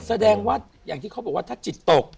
แสดงว่าอย่างที่เขาบอกว่าถ้าจิตตก